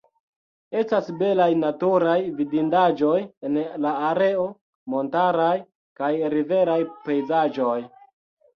Estas belaj naturaj vidindaĵoj en la areo, montaraj kaj riveraj pejzaĝoj.